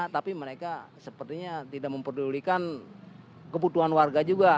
tapi mereka sepertinya tidak memperdulikan kebutuhan warga juga